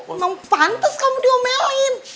emang pantes kamu diomelin